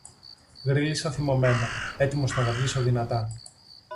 Γρύλισα θυμωμένα, έτοιμος να γαβγίσω δυνατά